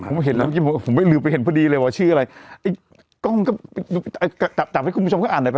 ผมเห็นแล้วเมื่อกี้ผมไม่ลืมไปเห็นพอดีเลยว่าชื่ออะไรไอ้กล้องก็จับจับให้คุณผู้ชมก็อ่านหน่อยไป